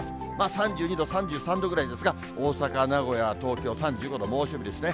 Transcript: ３２度、３３度ぐらいですが、大阪、名古屋、東京３５度、猛暑日ですね。